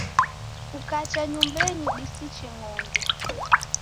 Kukacha nyumbenyi disiche ng'ombe.